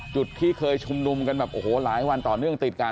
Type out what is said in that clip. จุดที่เคยชุมนุมกันแบบโอ้โหหลายวันต่อเนื่องติดกัน